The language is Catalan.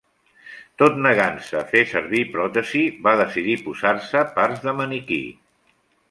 Tot negant-se a fer servir pròtesi, va decidir posar-se parts de maniquí.